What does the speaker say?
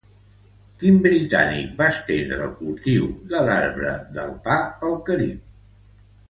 Quin britànic va estendre el cultiu de l'arbre del pa pel Carib?